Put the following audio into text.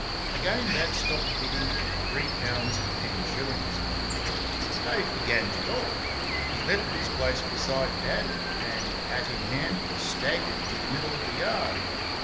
Again Dad stopped bidding at three pounds ten shillings. Dave began to talk. He left his place beside Dad and, hat in hand, staggered to the middle of the yard.